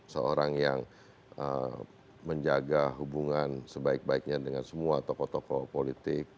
seorang yang menjaga hubungan sebaik baiknya dengan semua tokoh tokoh politik